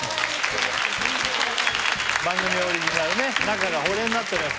番組オリジナルね中が保冷になっております